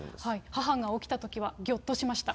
母が起きたときはぎょっとしました。